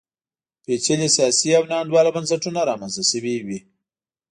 پېچلي سیاسي او ناانډوله بنسټونه رامنځته شوي وي.